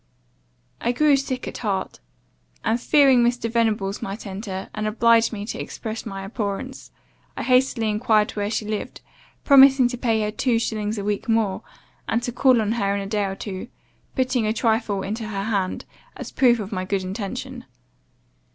"I grew sick at heart. And, fearing Mr. Venables might enter, and oblige me to express my abhorrence, I hastily enquired where she lived, promised to pay her two shillings a week more, and to call on her in a day or two; putting a trifle into her hand as a proof of my good intention.